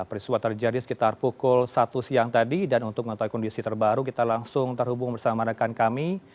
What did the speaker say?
peristiwa terjadi sekitar pukul satu siang tadi dan untuk mengetahui kondisi terbaru kita langsung terhubung bersama rekan kami